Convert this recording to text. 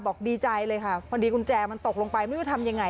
บอกดีใจเลยค่ะพอดีกุญแจมันตกลงไปมันดูว่าทำยังไง